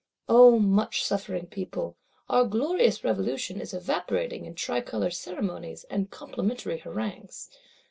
O much suffering People, our glorious Revolution is evaporating in tricolor ceremonies, and complimentary harangues!